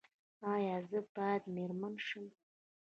ایا زه باید میرمن شم؟